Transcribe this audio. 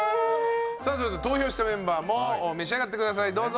さあそれでは投票したメンバーも召し上がってくださいどうぞ。